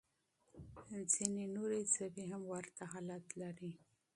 ځينې نورې ژبې هم ورته حالت لري.